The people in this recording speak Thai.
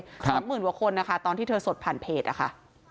ไปดูเยอะเลยน้ำมึงหัวคนนะคะตอนที่เธอสดผ่านเพจอะค่ะ